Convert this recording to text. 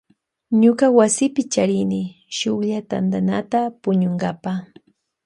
Ñuka wasipi charini shuklla katanata puñunkapa.